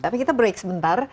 tapi kita break sebentar